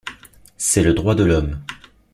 C’est le droit de l’homme.